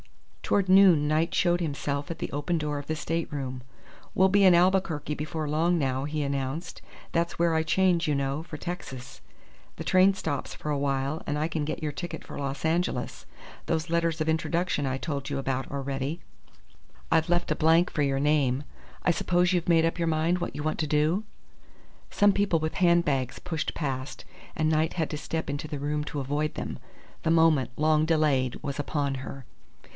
Toward noon Knight showed himself at the open door of the stateroom. "We'll be in Albuquerque before long now," he announced. "That's where I change, you know, for Texas. The train stops for a while, and I can get your ticket for Los Angeles. Those letters of introduction I told you about are ready. I've left a blank for your name. I suppose you've made up your mind what you want to do?" Some people with handbags pushed past, and Knight had to step into the room to avoid them. The moment, long delayed, was upon her!